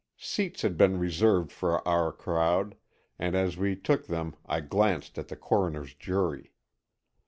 Seats had been reserved for our crowd, and as we took them I glanced at the coroner's jury.